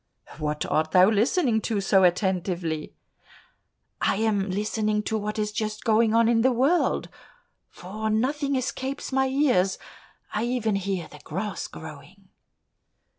"What art thou listening to so attentively?" "I am listening to what is just going on in the world, for nothing escapes my ears; I even hear the grass growing."